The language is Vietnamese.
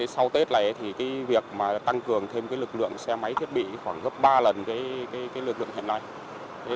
sau tết này thì việc tăng cường thêm lực lượng xe máy thiết bị khoảng gấp ba lần lực lượng hiện nay